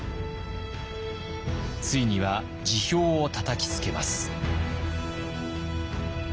ついには辞表をたたきつけます。